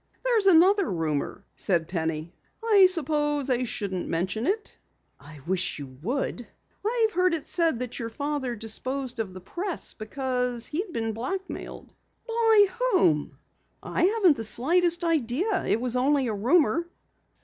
"There's another rumor," said Penny. "I suppose I shouldn't mention it." "I wish you would." "I've heard it said that your father disposed of the Press because he had been blackmailed." "By whom?" "I haven't the slightest idea. It was only a rumor."